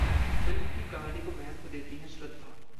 film की कहानी को महत्व देती हैं श्रद्धा